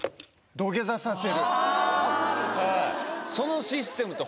土下座させる。